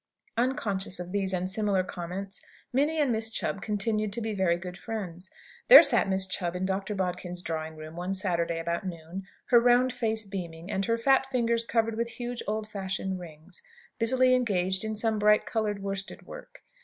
Unconscious of these and similar comments, Minnie and Miss Chubb continued to be very good friends. There sat Miss Chubb in Dr. Bodkin's drawing room one Saturday about noon; her round face beaming, and her fat fingers covered with huge old fashioned rings, busily engaged in some bright coloured worsted work.